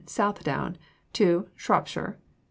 Southdown. 2. Shropshire.